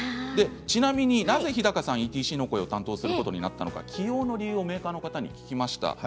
ちなみに、なぜ日高さんＥＴＣの声を担当することになったかというと起用の理由を聞きました。